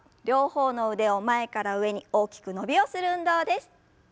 両方の腕を前から上に大きく伸びをする運動です。